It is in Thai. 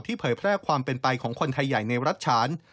เผยแพร่ความเป็นไปของคนไทยใหญ่ในรัฐฉาน